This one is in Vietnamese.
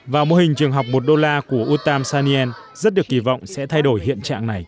và mô hình trường học một đô la của utam saniel rất được kỳ vọng sẽ thay đổi hiện trạng này